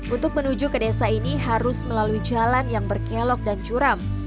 untuk menuju ke desa ini harus melalui jalan yang berkelok dan curam